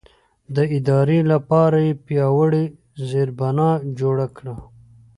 د ادارې لپاره یې پیاوړې زېربنا جوړه کړه.